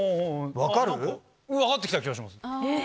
分かって来た気がします。